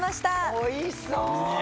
おいしそう。